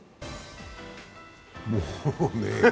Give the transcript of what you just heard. もうね。